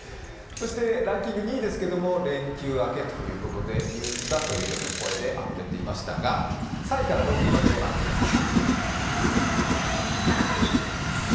ランキング２位、連休明けということで、憂鬱だという声であふれていましたが、３位から６位までご覧ください。